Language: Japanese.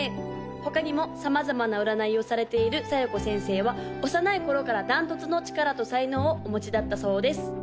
他にも様々な占いをされている小夜子先生は幼い頃から断トツの力と才能をお持ちだったそうです